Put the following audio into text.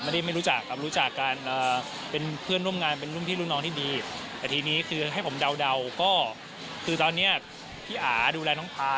แต่เรื่องประเด็นบวกไม่ใช่แน่นอน